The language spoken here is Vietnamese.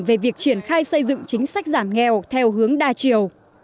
về việc triển khai xây dựng chính sách giảm nghèo theo hướng đa chiều